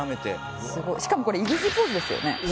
しかもこれイグジーポーズですよね？